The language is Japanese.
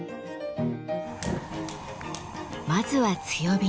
まずは強火に。